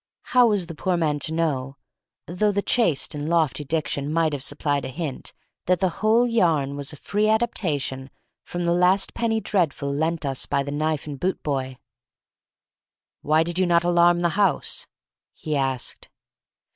How was the poor man to know though the chaste and lofty diction might have supplied a hint that the whole yarn was a free adaptation from the last Penny Dreadful lent us by the knife and boot boy? "Why did you not alarm the house?" he asked.